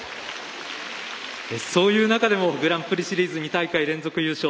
そういう中でもグランプリシリーズ２大会連続優勝。